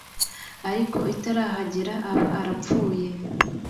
ariko itarahagera aba arapfuye